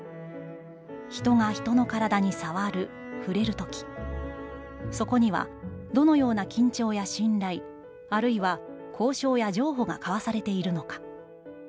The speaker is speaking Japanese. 人が人の体にさわる／ふれる時、そこにはどのような緊張や信頼、あるいは交渉や譲歩がかわされているのか。